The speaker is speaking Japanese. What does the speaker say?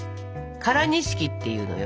「唐錦」っていうのよ。